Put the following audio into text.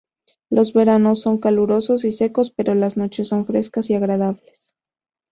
Los veranos son calurosos y secos pero las noches son frescas y agradables.